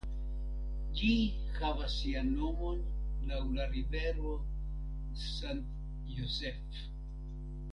Ĝi havas sian nomon laŭ la rivero St. Joseph.